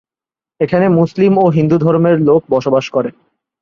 এখানে মুসলিম ও হিন্দু ধর্মের লোক বসবাস করে।